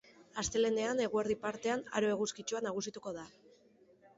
Astelehenean, eguerdi partean aro eguzkitsua nagusituko da.